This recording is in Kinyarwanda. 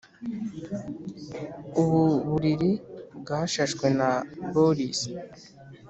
Ubu buriri bwashashwe na Boris